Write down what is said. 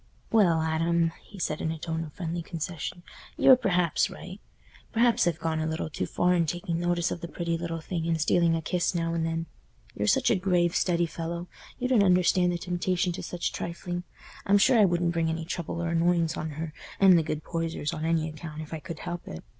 "Well, Adam," he said, in a tone of friendly concession, "you're perhaps right. Perhaps I've gone a little too far in taking notice of the pretty little thing and stealing a kiss now and then. You're such a grave, steady fellow, you don't understand the temptation to such trifling. I'm sure I wouldn't bring any trouble or annoyance on her and the good Poysers on any account if I could help it.